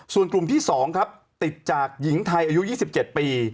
ส่วนกลุ่มที่๒ครับติดจากหญิงไทยอายุ๒๗ปี